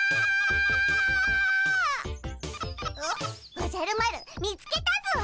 おじゃる丸見つけたぞ。